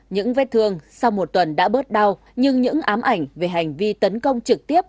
những vết thương sau một tuần đã bớt đau nhưng những ám ảnh về hành vi tấn công trực tiếp